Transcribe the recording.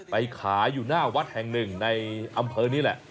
ไปขายอยู่หน้าวัดแห่งหนึ่งในอำเภอนี้แหละ